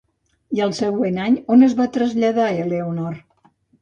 I el següent any, on es va traslladar Eleonor?